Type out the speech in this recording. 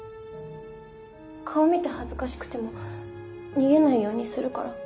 顔見て恥ずかしくても逃げないようにするから。